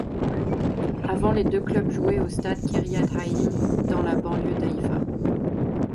Avant les deux clubs joué au stade Kiriat Haim dans la banlieue d'Haïfa.